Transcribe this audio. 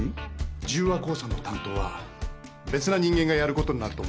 十和興産の担当は別な人間がやることになると思います。